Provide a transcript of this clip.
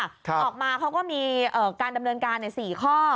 ออกมาเขาก็มีการดำเนินการใน๔ข้อ